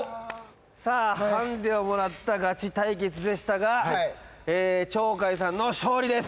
さあハンデをもらったガチ対決でしたが鳥海さんの勝利です。